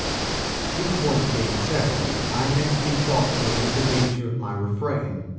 These points being settled, I next bethought me of the nature of my refrain.